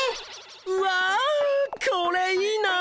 うわこれいいな。